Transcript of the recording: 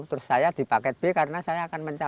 terus saya di paket b karena saya akan mencari